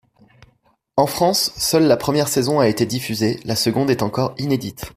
En France, seule la première saison a été diffusée, la seconde est encore inédite.